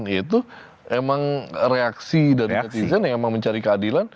itu emang reaksi dari netizen yang emang mencari keadilan